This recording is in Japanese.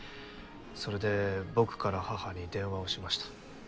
それで僕から母に電話をしました。